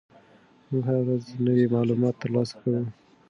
موږ هره ورځ نوي معلومات ترلاسه کوو.